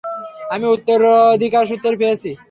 আমি উত্তরাধিকারসূত্রে পেয়েছি।